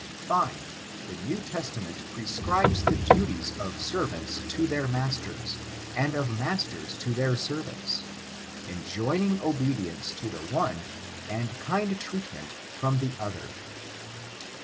V. The New Testament prescribes the duties of servants to their mcuters, and of masters to their servants; enjoining obedience to the one^ and kind treatment from the other.